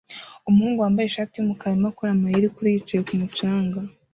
Umuhungu wambaye ishati yumukara arimo akora amayeri kuri yicaye kumu canga